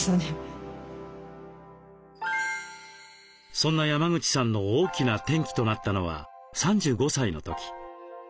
そんな山口さんの大きな転機となったのは３５歳のとき。